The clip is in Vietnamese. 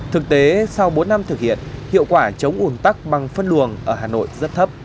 thực tế sau bốn năm thực hiện hiệu quả chống ủn tắc bằng phân luồng ở hà nội rất thấp